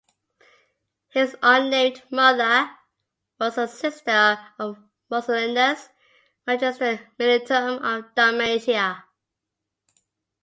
His unnamed mother was a sister of Marcellinus, "magister militum" of Dalmatia.